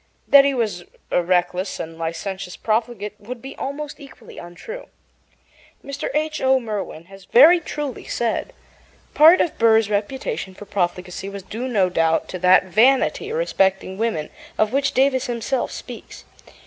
That he was a reckless and licentious profligate would be almost equally untrue. Mr. H. O. Merwin has very truly said: Part of Burr's reputation for profligacy was due, no doubt, to that vanity respecting women of which Davis himself speaks.